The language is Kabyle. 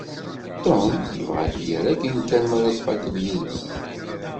Tom yebɣa ad t-yerr akken kan mi ara tfakkeḍ yess.